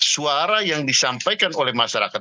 suara yang disampaikan oleh masyarakat